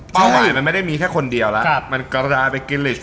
เป้าหมายมันไม่ได้มีแค่คนเดียวมันกระดาษไปกิลลิทจ์